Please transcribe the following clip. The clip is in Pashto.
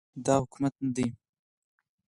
دا حکومت نه دی